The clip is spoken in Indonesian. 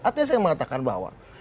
artinya saya mengatakan bahwa